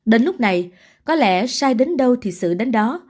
đến lúc này có lẽ sai đến đó